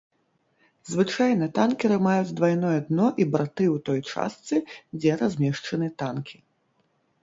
Звычайна танкеры маюць двайное дно і барты ў той частцы, дзе размешчаны танкі.